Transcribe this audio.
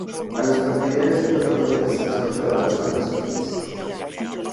A los partidarios de los rebeldes se les cortaban manos y pies.